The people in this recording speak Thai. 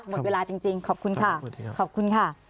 หมดเวลาจริงขอบคุณค่ะ